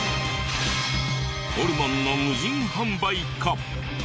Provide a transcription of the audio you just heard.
ホルモンの無人販売か？